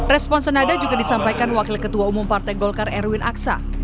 respon senada juga disampaikan wakil ketua umum partai golkar erwin aksa